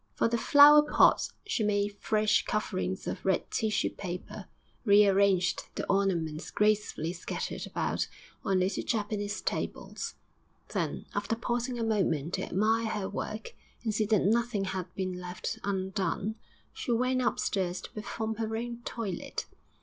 For the flower pots she made fresh coverings of red tissue paper, re arranged the ornaments gracefully scattered about on little Japanese tables; then, after pausing a moment to admire her work and see that nothing had been left undone, she went upstairs to perform her own toilet....